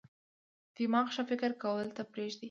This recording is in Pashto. دماغ ښه فکر کولو ته پریږدي.